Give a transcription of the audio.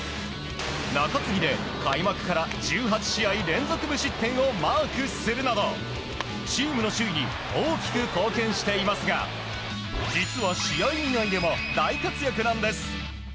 中継ぎで開幕から１８試合連続無失点をマークするなど、チームの首位に大きく貢献していますが実は試合以外でも大活躍なんです。